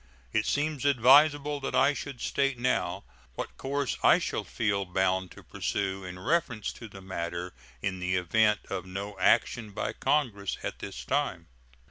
It seems advisable that I should state now what course I shall feel bound to pursue in reference to the matter in the event of no action by Congress at this time.